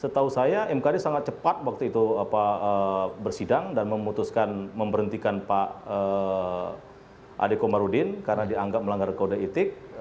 setahu saya mkd sangat cepat waktu itu bersidang dan memutuskan memberhentikan pak adekomarudin karena dianggap melanggar kode etik